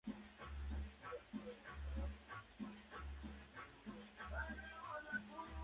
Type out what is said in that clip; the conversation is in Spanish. Durante su relación, Clapton compuso otra canción para Boyd llamada "Wonderful Tonight".